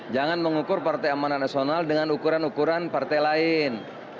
jangan mengukur partai amanat nasional dengan ukuran ukuran partai lain